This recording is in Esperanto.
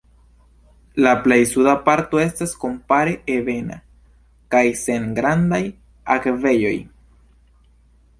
La plej suda parto estas kompare ebena kaj sen grandaj akvejoj.